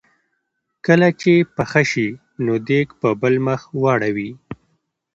کله چې پخه شي نو دیګ په بل مخ واړوي.